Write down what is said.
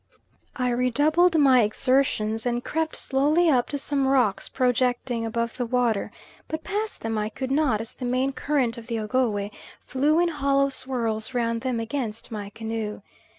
I redoubled my exertions, and crept slowly up to some rocks projecting above the water; but pass them I could not, as the main current of the Ogowe flew in hollow swirls round them against my canoe.